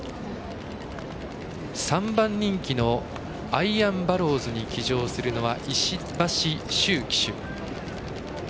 ３番人気のアイアンバローズに騎乗するのは石橋脩騎手。